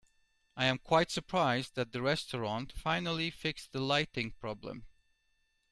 I am quite surprised that the restaurant finally fixed the lighting problem.